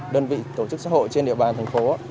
đơn vị tổ chức xã hội trên địa bàn thành phố